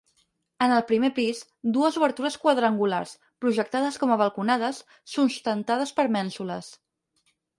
En el primer pis, dues obertures quadrangulars, projectades com a balconades, sustentades per mènsules.